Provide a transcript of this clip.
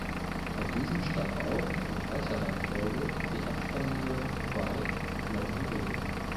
Von diesen stammen auch, in gleicher Reihenfolge, die Abspannlieder "Cry" und "Lonely Baby".